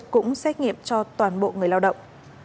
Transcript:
cũng xét nghiệm cho toàn bộ người lao động